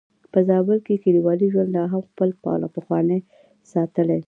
په زابل کې کليوالي ژوند لا هم خپل پخوانی رنګ ساتلی.